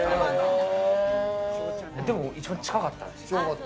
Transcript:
でも一番近かったですね。